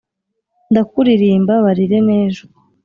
Ndakuririmba barire nejo